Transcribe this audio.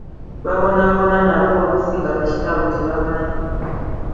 Babonaabona nabwo oluusi nga ba kitaabwe tebabamanyi.